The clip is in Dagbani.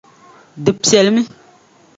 Di piɛlimi.